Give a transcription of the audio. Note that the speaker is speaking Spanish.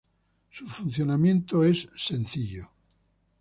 Su funcionamiento es sencillo.